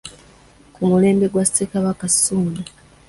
Ku mulembe gwa Ssekabaka Ssuuna.